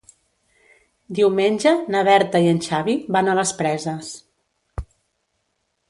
Diumenge na Berta i en Xavi van a les Preses.